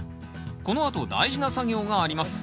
このあと大事な作業があります